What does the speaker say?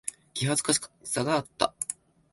気恥ずかしさがあった。